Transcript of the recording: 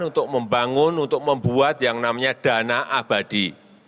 untuk membangun untuk membuat yang namanya dana abadi